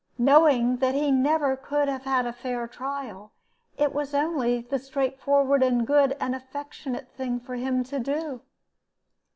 Knowing that he never could have a fair trial, it was the only straightforward and good and affectionate thing for him to do."